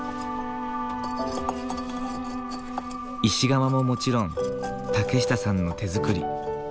石窯ももちろん竹下さんの手づくり。